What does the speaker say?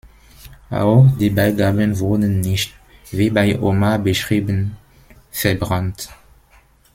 Auch die Beigaben wurden nicht, wie bei Homer beschrieben, verbrannt.